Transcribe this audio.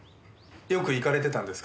よく行かれてたんですか？